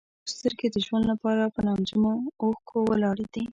زموږ سترګې د ژوند لپاره په نمجنو اوښکو ولاړې دي.